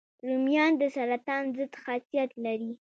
رومیان د سرطان ضد خاصیت لري